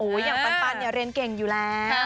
อย่างปันเนี่ยเรียนเก่งอยู่แล้ว